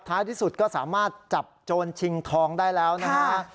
ที่สุดก็สามารถจับโจรชิงทองได้แล้วนะฮะ